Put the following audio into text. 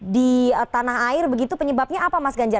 di tanah air begitu penyebabnya apa mas ganjar